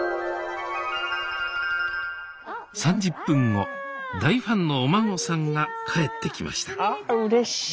３０分後大ファンのお孫さんが帰ってきましたああうれしい！